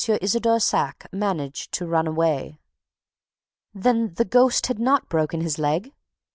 Isidore Saack managed to run away." "Then the ghost had not broken his leg?"